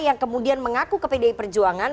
yang kemudian mengaku ke pdi perjuangan